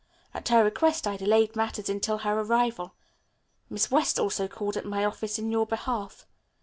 At her request I delayed matters until her arrival. Miss West also called at my office in your behalf.